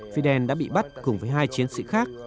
fidel đã bị bắt cùng với hai chiến sĩ khác